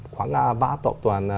khoảng ba tổng toàn